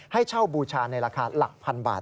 ให้เช่าบูชาในราคาหลักพันบาท